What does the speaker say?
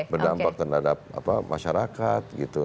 berdampak terhadap masyarakat gitu